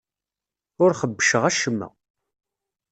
Ur xebbceɣ acemma.